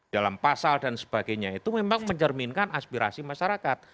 dalam pasal dan sebagainya itu memang mencerminkan aspirasi masyarakat